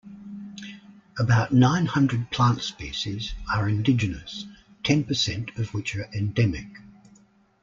About nine hundred plant species are indigenous, ten percent of which are endemic.